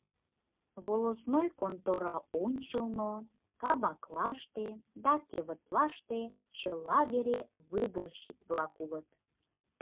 Волостной контора ончылно, кабаклаште да кевытлаште — чыла вере выборщик-влак улыт.